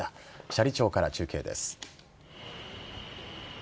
斜里町から中継です。